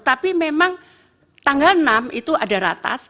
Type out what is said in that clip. tapi memang tanggal enam itu ada ratas